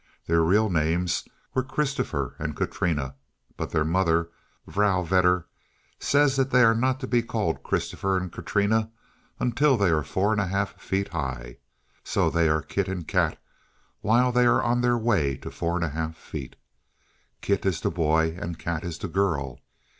Their real names were Christopher and Katrina, but their mother, Vrouw Vedder, says that they are not to be called Christopher and Katrina until they are four and a half feet high. So they are Kit and Kat while they are on the way to four and a half feet. Kit is the boy and Kat is the girl.